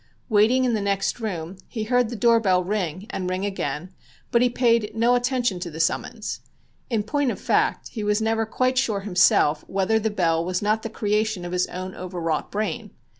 Waiting in the next room he heard the door bell ring, and ring again, but he paid no attention to the summons. In point of fact he was never quite sure himself whether the bell was not the creation of his own overwrought brain.